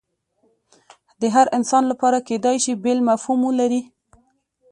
د هر انسان لپاره کیدای شي بیل مفهوم ولري